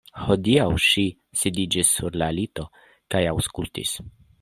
Hodiaŭ ŝi sidiĝis sur la lito kaj aŭskultis.